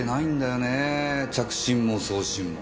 着信も送信も。